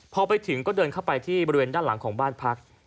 พอไปถึงก็เดินเข้าไปที่บริเวณด้านหลังของบ้านพัก